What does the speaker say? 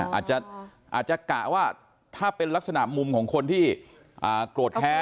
อาจจะกะว่าถ้าเป็นลักษณะมุมของคนที่โกรธแค้น